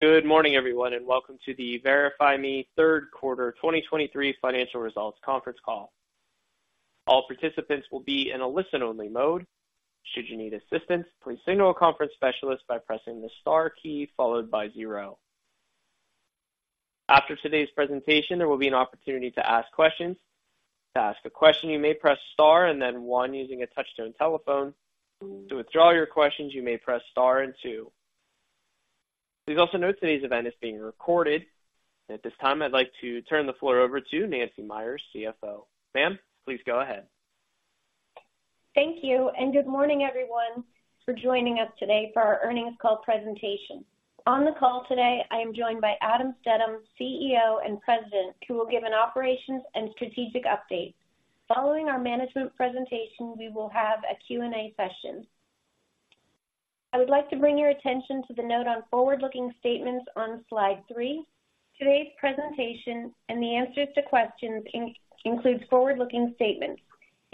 Good morning, everyone, and welcome to the VerifyMe Third Quarter 2023 Financial Results conference call. All participants will be in a listen-only mode. Should you need assistance, please signal a conference specialist by pressing the star key followed by zero. After today's presentation, there will be an opportunity to ask questions. To ask a question, you may press star and then one using a touch-tone telephone. To withdraw your questions, you may press star and two. Please also note today's event is being recorded. At this time, I'd like to turn the floor over to Nancy Meyers, CFO. Ma'am, please go ahead. Thank you, and good morning, everyone, for joining us today for our earnings call presentation. On the call today, I am joined by Adam Stedham, CEO and President, who will give an operations and strategic update. Following our management presentation, we will have a Q&A session. I would like to bring your attention to the note on forward-looking statements on slide three. Today's presentation and the answers to questions includes forward-looking statements.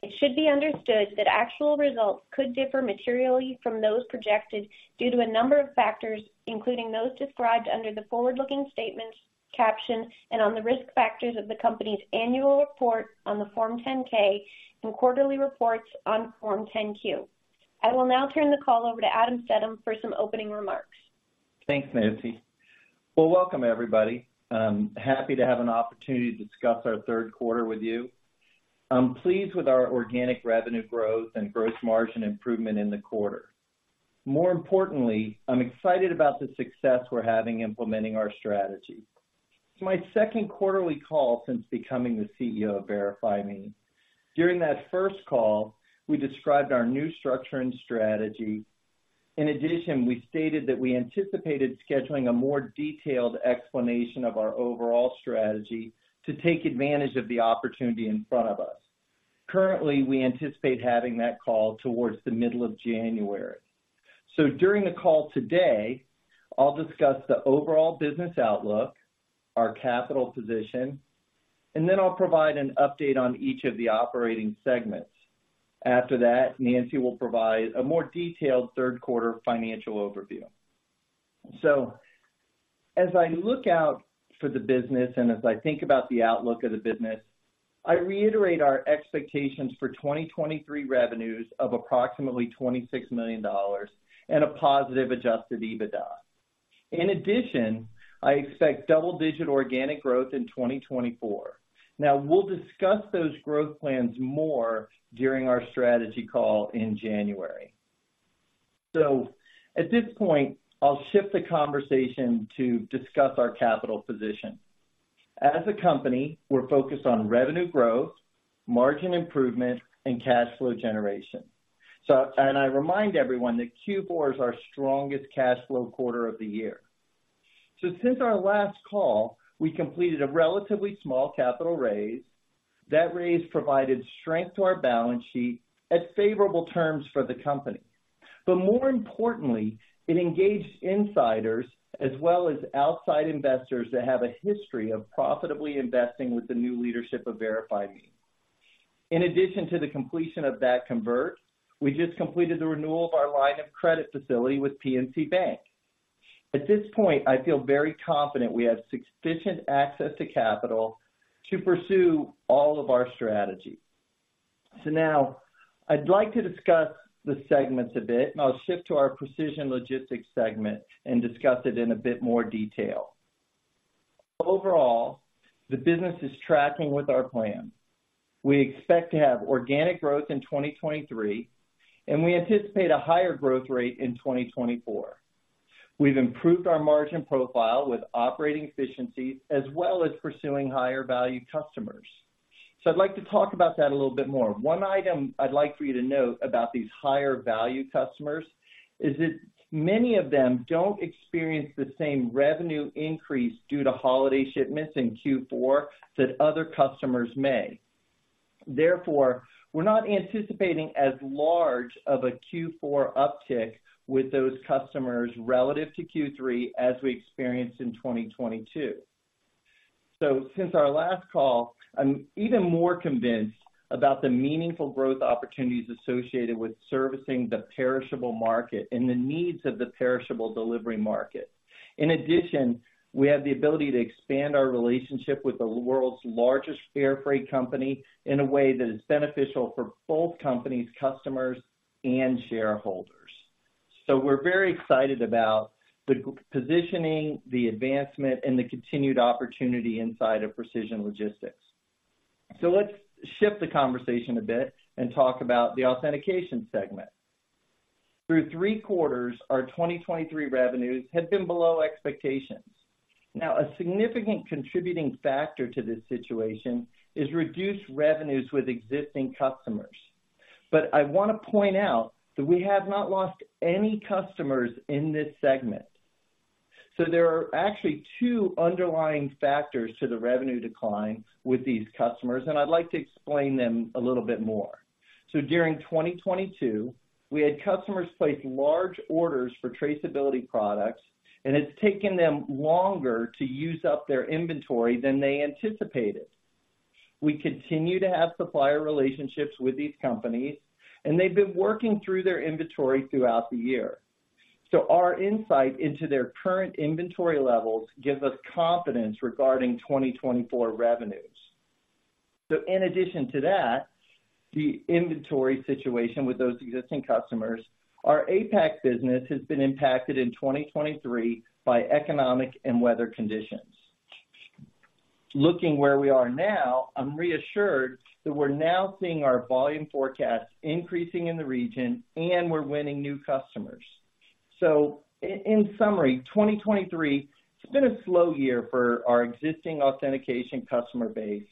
It should be understood that actual results could differ materially from those projected due to a number of factors, including those described under the forward-looking statements caption and on the risk factors of the company's annual report on Form 10-K and quarterly reports on Form 10-Q. I will now turn the call over to Adam Stedham for some opening remarks. Thanks, Nancy. Well, welcome everybody. Happy to have an opportunity to discuss our third quarter with you. I'm pleased with our organic revenue growth and gross margin improvement in the quarter. More importantly, I'm excited about the success we're having implementing our strategy. It's my second quarterly call since becoming the CEO of VerifyMe. During that first call, we described our new structure and strategy. In addition, we stated that we anticipated scheduling a more detailed explanation of our overall strategy to take advantage of the opportunity in front of us. Currently, we anticipate having that call towards the middle of January. So during the call today, I'll discuss the overall business outlook, our capital position, and then I'll provide an update on each of the operating segments. After that, Nancy will provide a more detailed third quarter financial overview. As I look out for the business and as I think about the outlook of the business, I reiterate our expectations for 2023 revenues of approximately $26 million and a positive Adjusted EBITDA. In addition, I expect double-digit organic growth in 2024. Now, we'll discuss those growth plans more during our strategy call in January. At this point, I'll shift the conversation to discuss our capital position. As a company, we're focused on revenue growth, margin improvement, and cash flow generation. And I remind everyone that Q4 is our strongest cash flow quarter of the year. Since our last call, we completed a relatively small capital raise. That raise provided strength to our balance sheet at favorable terms for the company. But more importantly, it engaged insiders as well as outside investors that have a history of profitably investing with the new leadership of VerifyMe. In addition to the completion of that convert, we just completed the renewal of our line of credit facility with PNC Bank. At this point, I feel very confident we have sufficient access to capital to pursue all of our strategy. So now I'd like to discuss the segments a bit, and I'll shift to our Precision Logistics segment and discuss it in a bit more detail. Overall, the business is tracking with our plan. We expect to have organic growth in 2023, and we anticipate a higher growth rate in 2024. We've improved our margin profile with operating efficiencies as well as pursuing higher value customers. So I'd like to talk about that a little bit more. One item I'd like for you to note about these higher value customers is that many of them don't experience the same revenue increase due to holiday shipments in Q4 that other customers may. Therefore, we're not anticipating as large of a Q4 uptick with those customers relative to Q3 as we experienced in 2022. So since our last call, I'm even more convinced about the meaningful growth opportunities associated with servicing the perishable market and the needs of the perishable delivery market. In addition, we have the ability to expand our relationship with the world's largest air freight company in a way that is beneficial for both companies, customers, and shareholders. So we're very excited about the positioning, the advancement, and the continued opportunity inside of Precision Logistics. So let's shift the conversation a bit and talk about the authentication segment. Through three quarters, our 2023 revenues have been below expectations. Now, a significant contributing factor to this situation is reduced revenues with existing customers. But I want to point out that we have not lost any customers in this segment. So there are actually two underlying factors to the revenue decline with these customers, and I'd like to explain them a little bit more. So during 2022, we had customers place large orders for traceability products, and it's taken them longer to use up their inventory than they anticipated. We continue to have supplier relationships with these companies, and they've been working through their inventory throughout the year. So our insight into their current inventory levels gives us confidence regarding 2024 revenues. So in addition to that, the inventory situation with those existing customers, our APAC business has been impacted in 2023 by economic and weather conditions. Looking where we are now, I'm reassured that we're now seeing our volume forecasts increasing in the region, and we're winning new customers. So in summary, 2023, it's been a slow year for our existing authentication customer base.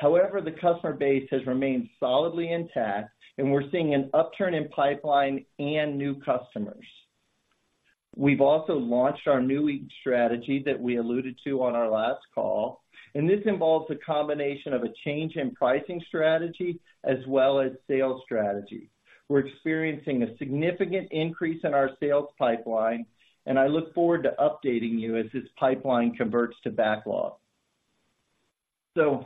However, the customer base has remained solidly intact, and we're seeing an upturn in pipeline and new customers. We've also launched our new ink strategy that we alluded to on our last call, and this involves a combination of a change in pricing strategy as well as sales strategy. We're experiencing a significant increase in our sales pipeline, and I look forward to updating you as this pipeline converts to backlog. So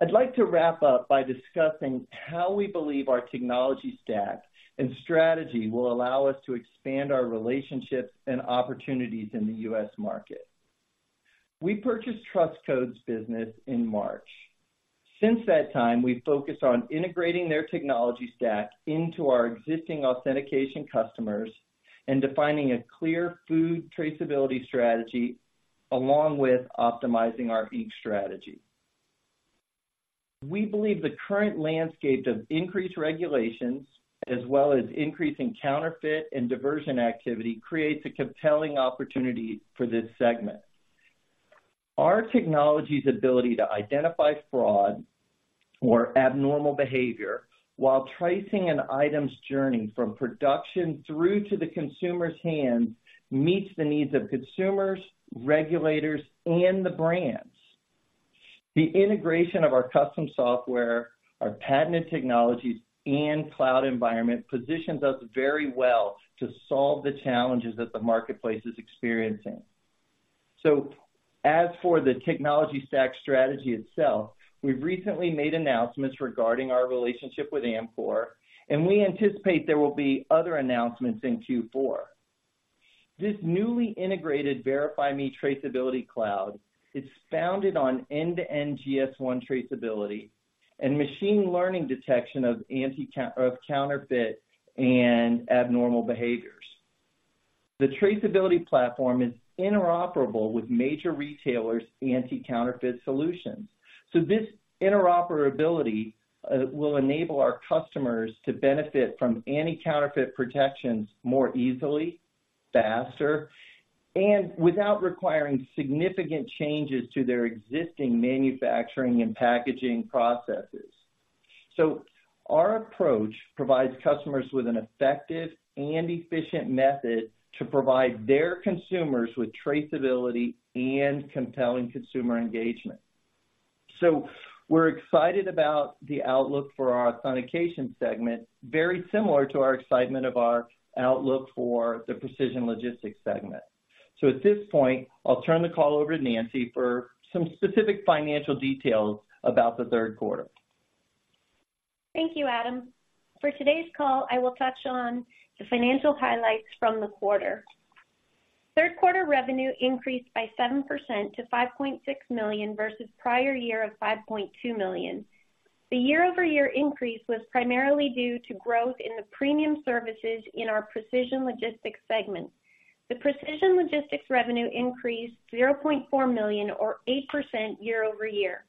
I'd like to wrap up by discussing how we believe our technology stack and strategy will allow us to expand our relationships and opportunities in the U.S. market. We purchased Trust Codes business in March. Since that time, we've focused on integrating their technology stack into our existing authentication customers and defining a clear food traceability strategy, along with optimizing our ink strategy. We believe the current landscape of increased regulations, as well as increasing counterfeit and diversion activity, creates a compelling opportunity for this segment. Our technology's ability to identify fraud or abnormal behavior while tracing an item's journey from production through to the consumer's hands, meets the needs of consumers, regulators, and the brands. The integration of our custom software, our patented technologies, and cloud environment positions us very well to solve the challenges that the marketplace is experiencing. So as for the technology stack strategy itself, we've recently made announcements regarding our relationship with Amcor, and we anticipate there will be other announcements in Q4. This newly integrated VerifyMe Traceability Cloud is founded on end-to-end GS1 traceability and machine learning detection of counterfeit and abnormal behaviors. The traceability platform is interoperable with major retailers' anti-counterfeit solutions. So this interoperability will enable our customers to benefit from anti-counterfeit protections more easily, faster, and without requiring significant changes to their existing manufacturing and packaging processes. So our approach provides customers with an effective and efficient method to provide their consumers with traceability and compelling consumer engagement. So we're excited about the outlook for our authentication segment, very similar to our excitement of our outlook for the Precision Logistics segment. At this point, I'll turn the call over to Nancy for some specific financial details about the third quarter. Thank you, Adam. For today's call, I will touch on the financial highlights from the quarter. Third quarter revenue increased by 7% to $5.6 million, versus prior year of $5.2 million. The year-over-year increase was primarily due to growth in the premium services in our Precision Logistics segment. The Precision Logistics revenue increased $0.4 million or 8% year over year.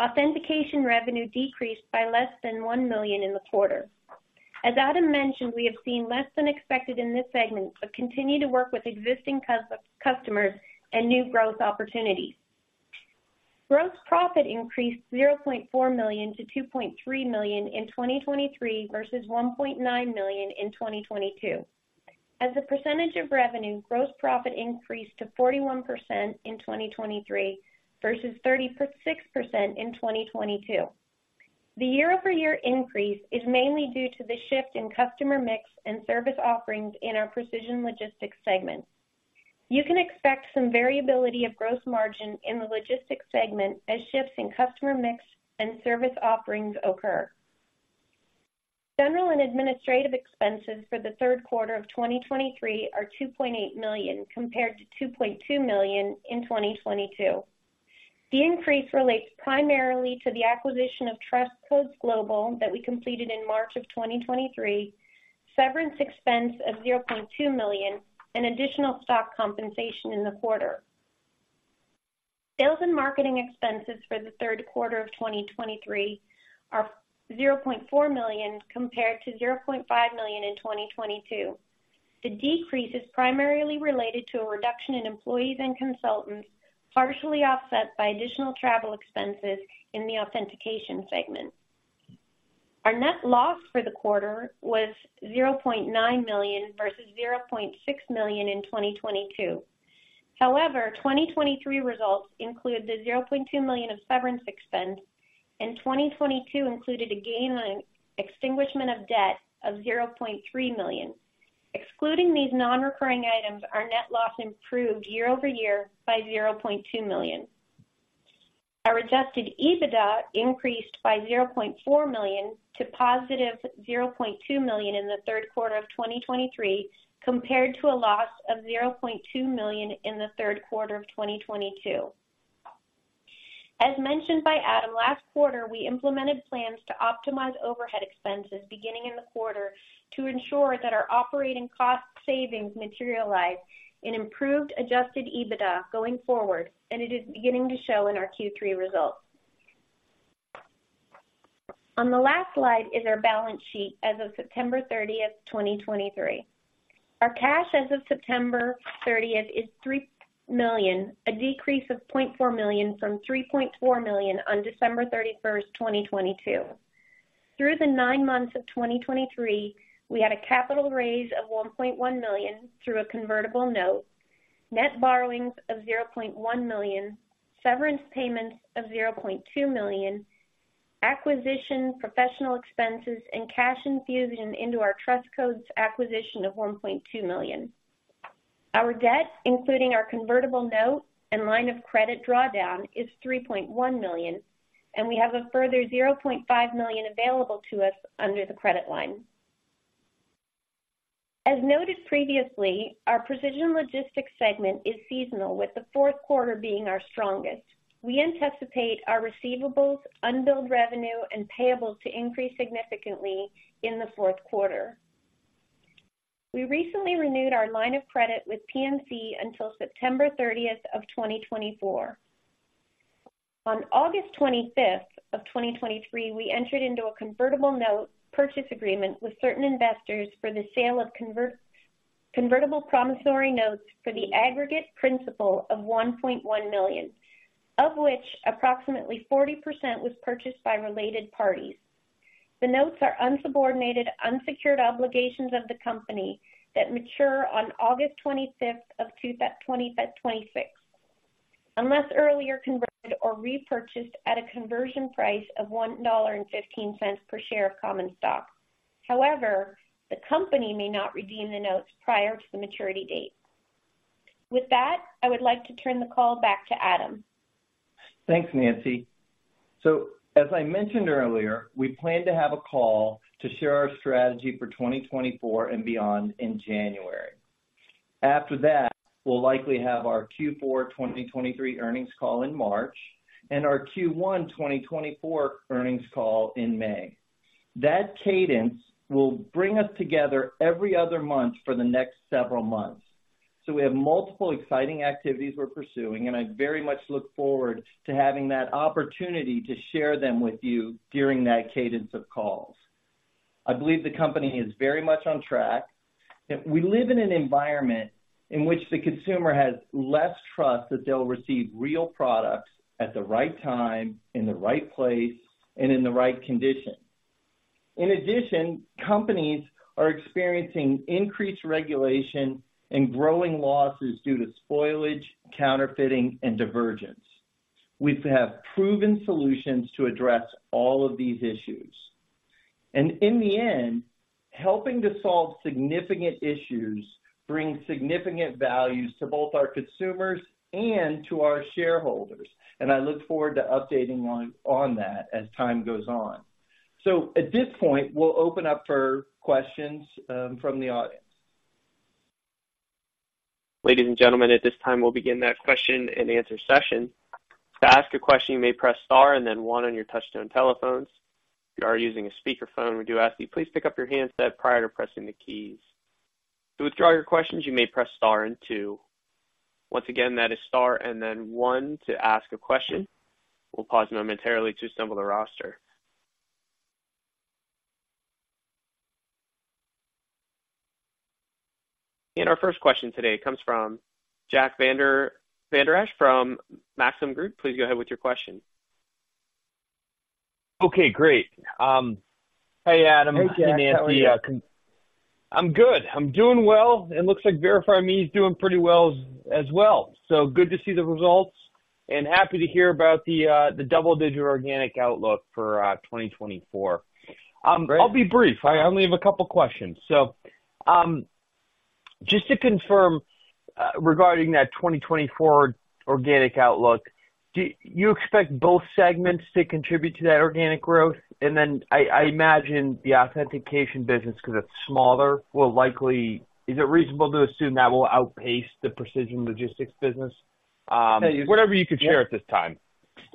Authentication revenue decreased by less than $1 million in the quarter. As Adam mentioned, we have seen less than expected in this segment, but continue to work with existing customers and new growth opportunities. Gross profit increased $0.4 million to $2.3 million in 2023, versus $1.9 million in 2022. As a percentage of revenue, gross profit increased to 41% in 2023, versus 36% in 2022. The year-over-year increase is mainly due to the shift in customer mix and service offerings in our Precision Logistics segment. You can expect some variability of gross margin in the logistics segment as shifts in customer mix and service offerings occur. General and administrative expenses for the third quarter of 2023 are $2.8 million, compared to $2.2 million in 2022. The increase relates primarily to the acquisition of Trust Codes Global that we completed in March of 2023, severance expense of $0.2 million, and additional stock compensation in the quarter. Sales and marketing expenses for the third quarter of 2023 are $0.4 million, compared to $0.5 million in 2022. The decrease is primarily related to a reduction in employees and consultants, partially offset by additional travel expenses in the authentication segment. Our net loss for the quarter was $0.9 million versus $0.6 million in 2022. However, 2023 results include the $0.2 million of severance expense, and 2022 included a gain on extinguishment of debt of $0.3 million. Excluding these non-recurring items, our net loss improved year-over-year by $0.2 million. Our Adjusted EBITDA increased by $0.4 million to positive $0.2 million in the third quarter of 2023, compared to a loss of $0.2 million in the third quarter of 2022. As mentioned by Adam last quarter, we implemented plans to optimize overhead expenses beginning in the quarter to ensure that our operating cost savings materialize in improved Adjusted EBITDA going forward, and it is beginning to show in our Q3 results. On the last slide is our balance sheet as of September 30, 2023. Our cash as of September 30 is $3 million, a decrease of $0.4 million from $3.4 million on December 31, 2022. Through the nine months of 2023, we had a capital raise of $1.1 million through a convertible note, net borrowings of $0.1 million, severance payments of $0.2 million, acquisition, professional expenses, and cash infusion into our Trust Codes acquisition of $1.2 million. Our debt, including our convertible note and line of credit drawdown, is $3.1 million, and we have a further $0.5 million available to us under the credit line. As noted previously, our Precision Logistics segment is seasonal, with the fourth quarter being our strongest. We anticipate our receivables, unbilled revenue, and payables to increase significantly in the fourth quarter. We recently renewed our line of credit with PNC until September 30, 2024. On August 25, 2023, we entered into a convertible note purchase agreement with certain investors for the sale of convertible promissory notes for the aggregate principal of $1.1 million, of which approximately 40% was purchased by related parties. The notes are unsubordinated, unsecured obligations of the company that mature on August 25, 2026, unless earlier converted or repurchased at a conversion price of $1.15 per share of common stock. However, the company may not redeem the notes prior to the maturity date. With that, I would like to turn the call back to Adam. Thanks, Nancy. So, as I mentioned earlier, we plan to have a call to share our strategy for 2024 and beyond in January. After that, we'll likely have our Q4 2023 earnings call in March and our Q1 2024 earnings call in May. That cadence will bring us together every other month for the next several months. So we have multiple exciting activities we're pursuing, and I very much look forward to having that opportunity to share them with you during that cadence of calls. I believe the company is very much on track. We live in an environment in which the consumer has less trust that they'll receive real products at the right time, in the right place, and in the right condition. In addition, companies are experiencing increased regulation and growing losses due to spoilage, counterfeiting, and diversion. We have proven solutions to address all of these issues, and in the end, helping to solve significant issues brings significant values to both our consumers and to our shareholders, and I look forward to updating on that as time goes on. At this point, we'll open up for questions from the audience. Ladies and gentlemen, at this time, we'll begin that question-and-answer session. To ask a question, you may press star and then one on your touchtone telephones. If you are using a speakerphone, we do ask you please pick up your handset prior to pressing the keys. To withdraw your questions, you may press star and two. Once again, that is star and then one to ask a question. We'll pause momentarily to assemble the roster. Our first question today comes from Jack Vander Aarde from Maxim Group. Please go ahead with your question. Okay, great. Hey, Adam. Hey, Jack. How are you? I'm good. I'm doing well, and looks like VerifyMe is doing pretty well as well. So good to see the results and happy to hear about the double-digit organic outlook for 2024. Great. I'll be brief. I only have a couple questions. So, just to confirm, regarding that 2024 organic outlook, do you expect both segments to contribute to that organic growth? And then I, I imagine the authentication business, because it's smaller, will likely, is it reasonable to assume that will outpace the Precision Logistics business? Whatever you could share at this time.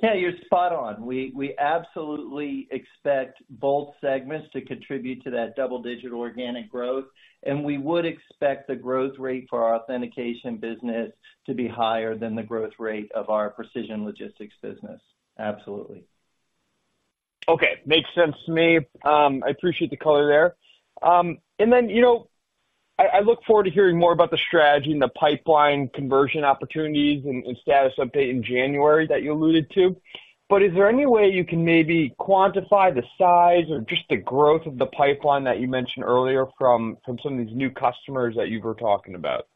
Yeah, you're spot on. We absolutely expect both segments to contribute to that double-digit organic growth, and we would expect the growth rate for our authentication business to be higher than the growth rate of our Precision Logistics business. Absolutely. Okay. Makes sense to me. I appreciate the color there. And then, you know, I look forward to hearing more about the strategy and the pipeline conversion opportunities and status update in January that you alluded to. But is there any way you can maybe quantify the size or just the growth of the pipeline that you mentioned earlier from some of these new customers that you were talking about?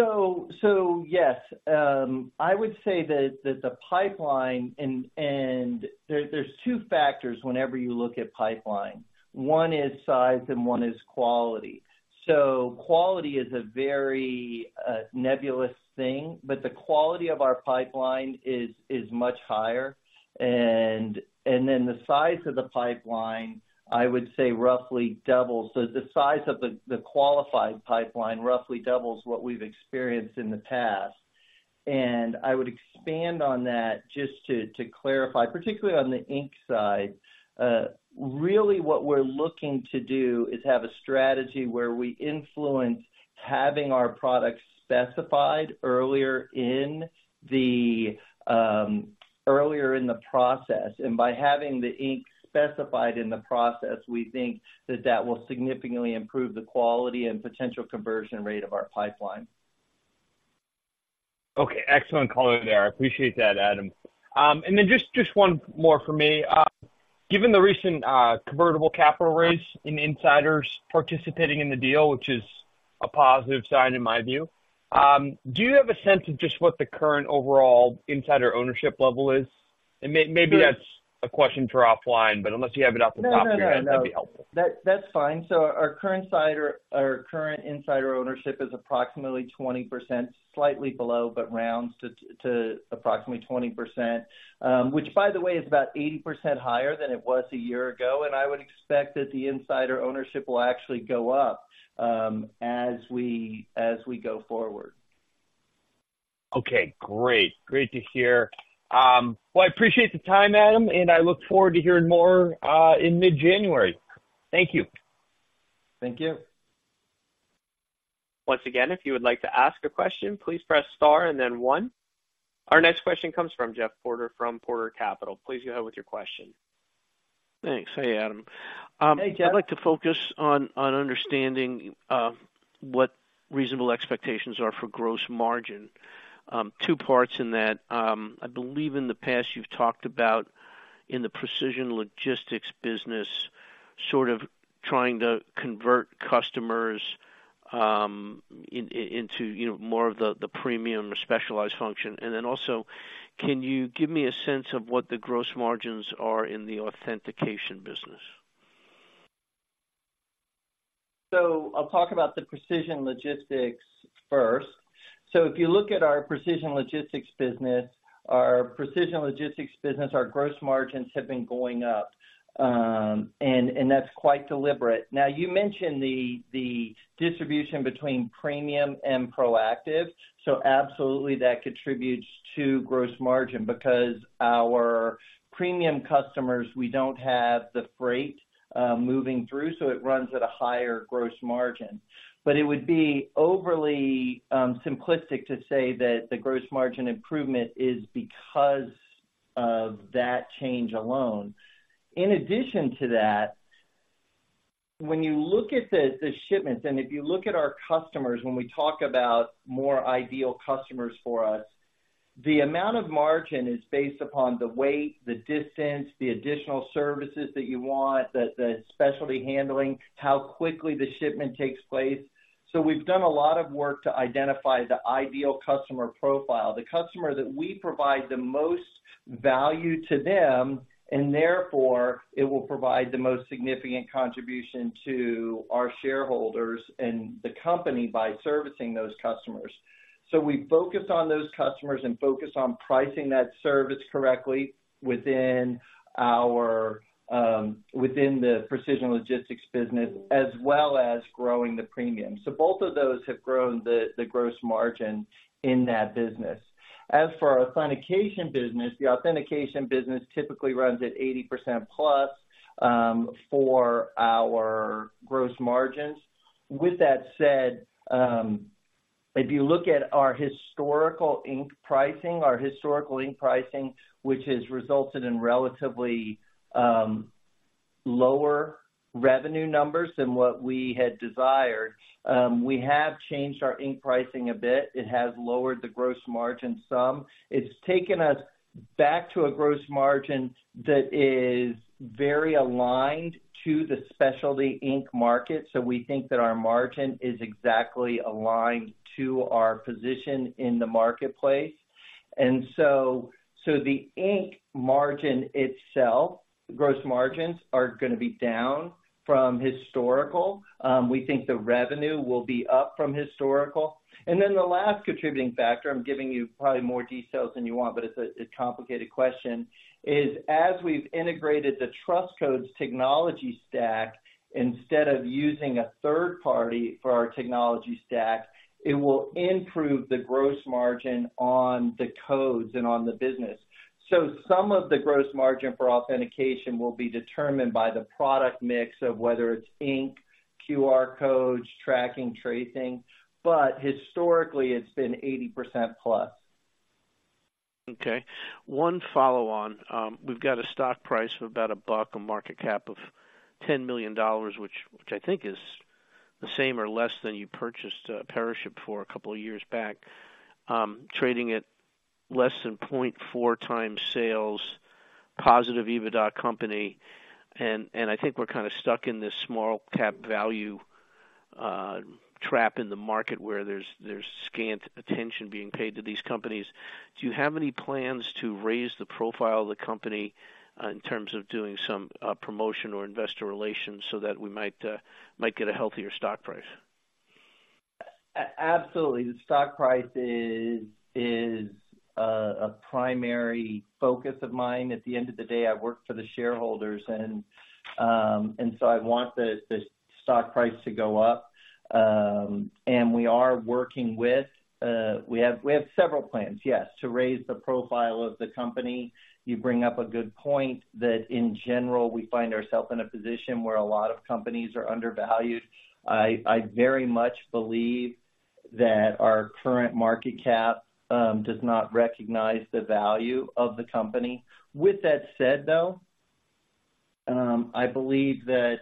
So yes, I would say that the pipeline and there are two factors whenever you look at pipeline. One is size and one is quality. So quality is a very nebulous thing, but the quality of our pipeline is much higher. And then the size of the pipeline, I would say roughly doubles. So the size of the qualified pipeline roughly doubles what we've experienced in the past. And I would expand on that just to clarify, particularly on the ink side. Really, what we're looking to do is have a strategy where we influence having our products specified earlier in the process. And by having the ink specified in the process, we think that will significantly improve the quality and potential conversion rate of our pipeline. Okay, excellent color there. I appreciate that, Adam. And then just, just one more for me. Given the recent, convertible capital raise in insiders participating in the deal, which is a positive sign in my view, do you have a sense of just what the current overall insider ownership level is? And maybe that's a question for offline, but unless you have it off the top of your head, that'd be helpful. No, that's fine. So our current insider ownership is approximately 20%, slightly below, but rounds to approximately 20%. Which, by the way, is about 80% higher than it was a year ago, and I would expect that the insider ownership will actually go up, as we go forward. Okay, great. Great to hear. Well, I appreciate the time, Adam, and I look forward to hearing more in mid-January. Thank you. Thank you. Once again, if you would like to ask a question, please press Star and then One. Our next question comes from Jeff Porter, from Porter Capital. Please go ahead with your question. Thanks. Hey, Adam. Hey, Jeff. I'd like to focus on understanding what reasonable expectations are for gross margin. Two parts in that. I believe in the past, you've talked about in the Precision Logistics business, sort of trying to convert customers into, you know, more of the premium or specialized function. And then also, can you give me a sense of what the gross margins are in the authentication business? So I'll talk about the Precision Logistics first. So if you look at our Precision Logistics business, our Precision Logistics business, our gross margins have been going up, and that's quite deliberate. Now, you mentioned the distribution between premium and proactive. So absolutely, that contributes to gross margin because our premium customers, we don't have the freight moving through, so it runs at a higher gross margin. But it would be overly simplistic to say that the gross margin improvement is because of that change alone. In addition to that, when you look at the shipments, and if you look at our customers, when we talk about more ideal customers for us, the amount of margin is based upon the weight, the distance, the additional services that you want, the specialty handling, how quickly the shipment takes place. So we've done a lot of work to identify the ideal customer profile, the customer that we provide the most value to them, and therefore, it will provide the most significant contribution to our shareholders and the company by servicing those customers. So we focus on those customers and focus on pricing that service correctly within our, within the Precision Logistics business, as well as growing the premium. So both of those have grown the gross margin in that business. As for our authentication business, the authentication business typically runs at 80% plus for our gross margins. With that said, if you look at our historical ink pricing, our historical ink pricing, which has resulted in relatively lower revenue numbers than what we had desired, we have changed our ink pricing a bit. It has lowered the gross margin some. It's taken us back to a gross margin that is very aligned to the specialty ink market. So we think that our margin is exactly aligned to our position in the marketplace. And so the ink margin itself, gross margins, are going to be down from historical. We think the revenue will be up from historical. And then the last contributing factor, I'm giving you probably more details than you want, but it's a complicated question, is as we've integrated the Trust Codes technology stack, instead of using a third party for our technology stack, it will improve the gross margin on the codes and on the business. So some of the gross margin for authentication will be determined by the product mix of whether it's ink, QR codes, tracking, tracing, but historically, it's been 80%+. Okay. One follow-on. We've got a stock price of about $1, a market cap of $10 million, which I think is the same or less than you purchased PeriShip for a couple of years back, trading at less than 0.4 times sales. Positive EBITDA company, and I think we're kind of stuck in this small cap value trap in the market where there's scant attention being paid to these companies. Do you have any plans to raise the profile of the company in terms of doing some promotion or investor relations so that we might get a healthier stock price? Absolutely. The stock price is a primary focus of mine. At the end of the day, I work for the shareholders, and so I want the stock price to go up. And we are working with, we have several plans, yes, to raise the profile of the company. You bring up a good point that in general, we find ourself in a position where a lot of companies are undervalued. I very much believe that our current market cap does not recognize the value of the company. With that said, though, I believe that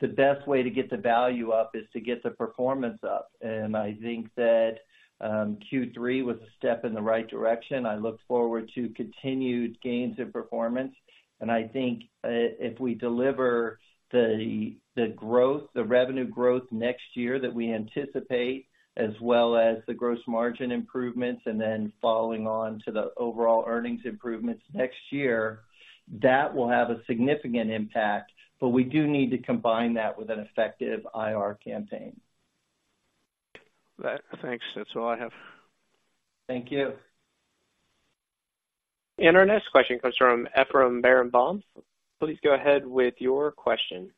the best way to get the value up is to get the performance up, and I think that Q3 was a step in the right direction. I look forward to continued gains in performance, and I think, if we deliver the, the growth, the revenue growth next year that we anticipate, as well as the gross margin improvements, and then following on to the overall earnings improvements next year, that will have a significant impact. But we do need to combine that with an effective IR campaign. Thanks, that's all I have. Thank you. Our next question comes from Ephraim Barenbaum. Please go ahead with your question.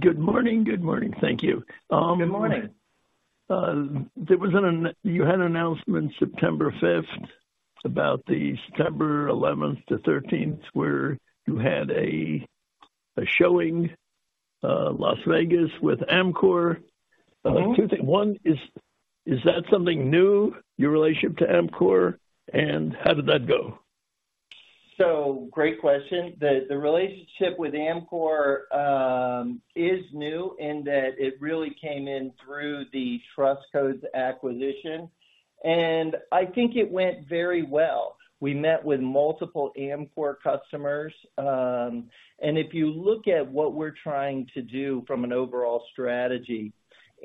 Good morning. Good morning. Thank you. Good morning. There was you had an announcement September fifth about the September eleventh to thirteenth, where you had a showing, Las Vegas with Amcor. Mm-hmm. Two things. One, is that something new, your relationship to Amcor? And how did that go? Great question. The relationship with Amcor is new in that it really came in through the Trust Codes acquisition, and I think it went very well. We met with multiple Amcor customers. If you look at what we're trying to do from an overall strategy,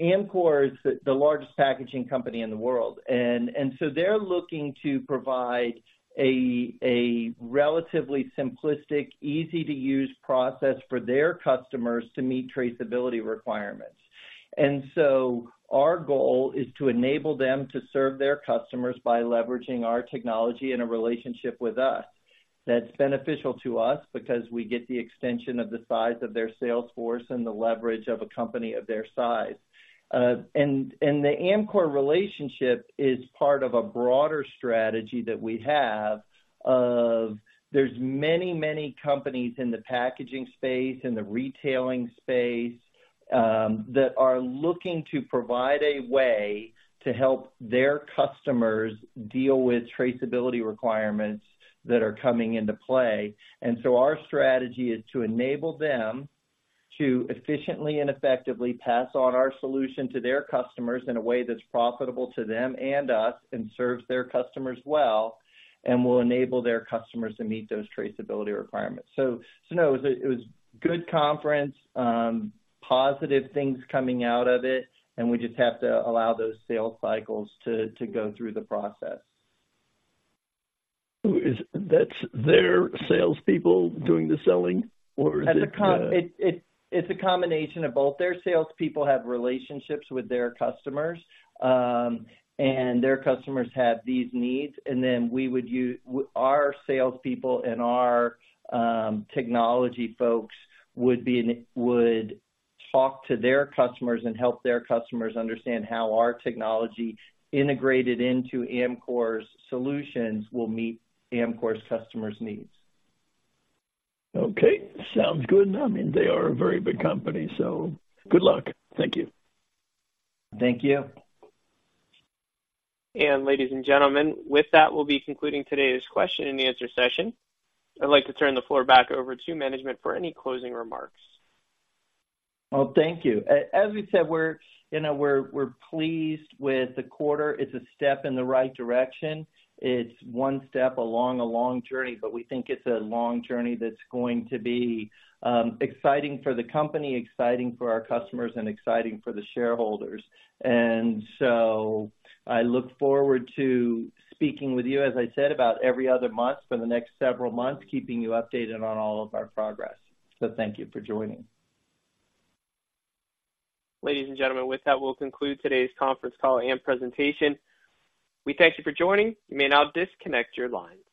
Amcor is the largest packaging company in the world, and so they're looking to provide a relatively simplistic, easy-to-use process for their customers to meet traceability requirements. Our goal is to enable them to serve their customers by leveraging our technology in a relationship with us. That's beneficial to us because we get the extension of the size of their sales force and the leverage of a company of their size. The Amcor relationship is part of a broader strategy that we have of... There's many, many companies in the packaging space, in the retailing space, that are looking to provide a way to help their customers deal with traceability requirements that are coming into play. So our strategy is to enable them to efficiently and effectively pass on our solution to their customers in a way that's profitable to them and us, and serves their customers well, and will enable their customers to meet those traceability requirements. So no, it was a good conference, positive things coming out of it, and we just have to allow those sales cycles to go through the process. Who is - That's their salespeople doing the selling, or is it? It's a combination of both. Their salespeople have relationships with their customers, and their customers have these needs, and then we would use our salespeople and our technology folks would talk to their customers and help their customers understand how our technology, integrated into Amcor's solutions, will meet Amcor's customers' needs. Okay, sounds good. I mean, they are a very big company, so good luck. Thank you. Thank you. Ladies and gentlemen, with that, we'll be concluding today's question-and-answer session. I'd like to turn the floor back over to management for any closing remarks. Well, thank you. As we said, we're, you know, pleased with the quarter. It's a step in the right direction. It's one step along a long journey, but we think it's a long journey that's going to be exciting for the company, exciting for our customers, and exciting for the shareholders. And so I look forward to speaking with you, as I said, about every other month for the next several months, keeping you updated on all of our progress. So thank you for joining. Ladies and gentlemen, with that, we'll conclude today's conference call and presentation. We thank you for joining. You may now disconnect your lines.